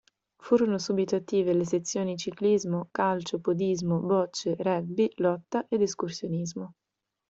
Furono subito attive le sezioni ciclismo, calcio, podismo, bocce, rugby, lotta ed escursionismo.